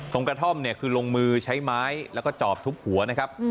กระท่อมเนี่ยคือลงมือใช้ไม้แล้วก็จอบทุบหัวนะครับ